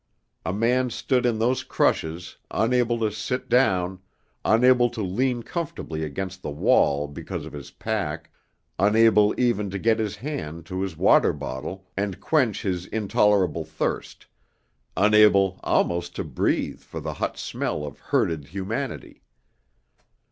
A man stood in those crushes, unable to sit down, unable to lean comfortably against the wall because of his pack, unable even to get his hand to his water bottle and quench his intolerable thirst, unable almost to breathe for the hot smell of herded humanity.